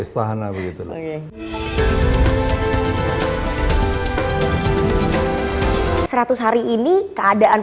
terlalu jauh lah sangat sangat jauh